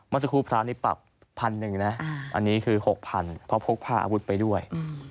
มสคุพรานิปับพันหนึ่งนะอันนี้คือ๖๐๐๐บาทเพราะพกพาอาวุธไปด้วย